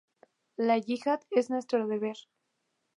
La yihad es nuestro deber.